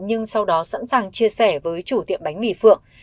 nhưng sau đó sẵn sàng chia sẻ với chủ tiệm bánh mì phượng